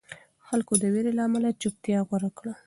خلکو د وېرې له امله چوپتیا غوره کړه.